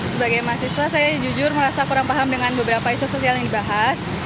sebagai mahasiswa saya jujur merasa kurang paham dengan beberapa isu sosial yang dibahas